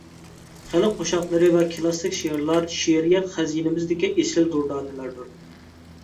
خەلق قوشاقلىرى ۋە كىلاسسىك شېئىرلار شېئىرىيەت خەزىنىمىزدىكى ئېسىل دۇردانىلەردۇر.